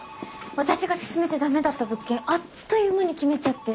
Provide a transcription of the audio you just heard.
私が勧めてダメだった物件あっという間に決めちゃって。